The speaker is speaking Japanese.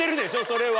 それは。